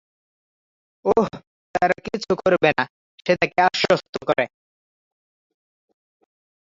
ওহ, তারা কিছু করবে না, সে তাকে আশ্বস্ত করে।